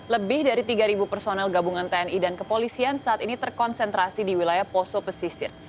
lebih dari tiga personel gabungan tni dan kepolisian saat ini terkonsentrasi di wilayah poso pesisir